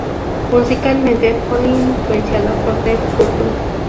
Musicalmente, fue influenciado por Deep Purple.